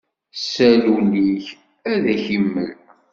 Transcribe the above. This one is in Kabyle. Sal ul-ik, ad ak-imel!